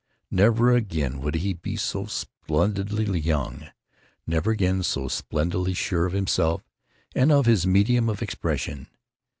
Never again would he be so splendidly young, never again so splendidly sure of himself and of his medium of expression.